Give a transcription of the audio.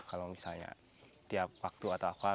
kalau misalnya tiap waktu